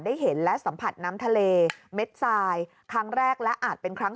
ได้เห็นและสัมผัสน้ำทะเลเม็ดทรายครั้งแรกและอาจเป็นครั้ง